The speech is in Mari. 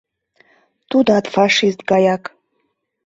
Тудат фашист гаяк.